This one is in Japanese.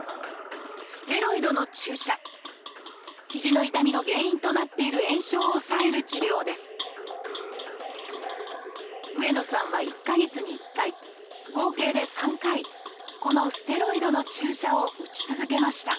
肘の痛みの原因となっている炎症を抑える治療です上野さんは１か月に１回合計で３回このステロイドの注射を打ち続けました